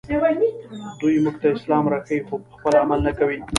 دوی موږ ته اسلام راښيي خو پخپله عمل نه کوي